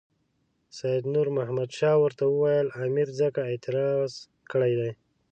سید نور محمد شاه ورته وویل امیر ځکه اعتراض کړی دی.